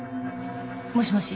もしもし。